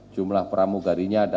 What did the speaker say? jumlah pramugarinya ada enam